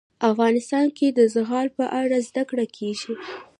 افغانستان کې د زغال په اړه زده کړه کېږي.